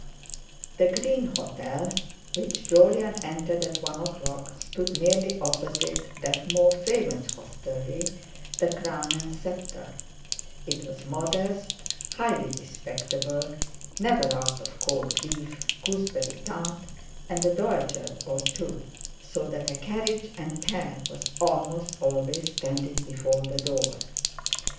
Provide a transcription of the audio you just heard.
The Green Hotel, which Jolyon entered at one o'clock, stood nearly opposite that more famous hostelry, the Crown and Sceptre; it was modest, highly respectable, never out of cold beef, gooseberry tart, and a dowager or two, so that a carriage and pair was almost always standing before the door.